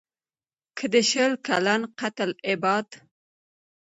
که د شل کلن «قتل العباد»